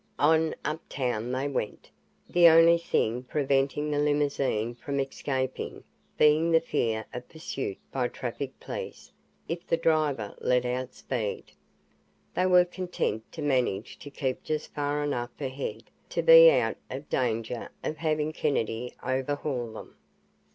On uptown they went, the only thing preventing the limousine from escaping being the fear of pursuit by traffic police if the driver let out speed. They were content to manage to keep just far enough ahead to be out of danger of having Kennedy overhaul them.